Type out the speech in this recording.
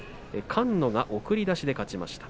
菅野が送り出しで勝ちました。